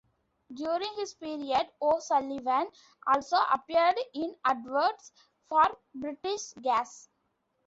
During this period, O'Sullivan also appeared in adverts for British Gas.